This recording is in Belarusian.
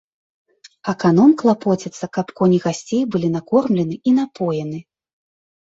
Аканом клапоціцца, каб коні гасцей былі накормлены і напоены.